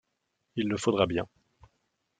Il le faudra bien.